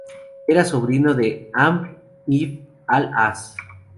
Era sobrino de Amr ibn al-As.